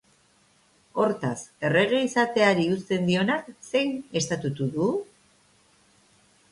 Hortaz, errege izateari uzten dionak zein estatutu du?